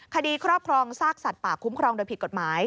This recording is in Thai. ครอบครองซากสัตว์ป่าคุ้มครองโดยผิดกฎหมาย